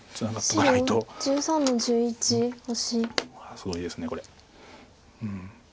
すごいですこれ。